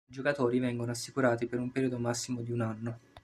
I giocatori vengono assicurati per un periodo massimo di un anno.